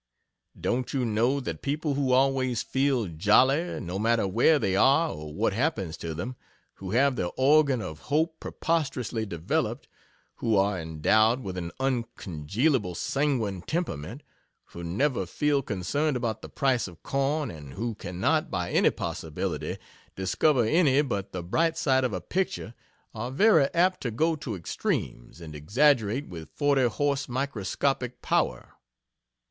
Don't you know that people who always feel jolly, no matter where they are or what happens to them who have the organ of hope preposterously developed who are endowed with an uncongealable sanguine temperament who never feel concerned about the price of corn and who cannot, by any possibility, discover any but the bright side of a picture are very apt to go to extremes, and exaggerate with 40 horse microscopic power?